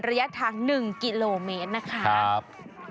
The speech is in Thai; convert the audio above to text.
ระยะทาง๑กิโลเมตรนะคะ